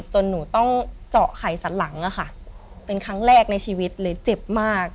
หนูต้องเจาะไข่สันหลังเป็นครั้งแรกในชีวิตเลยเจ็บมาก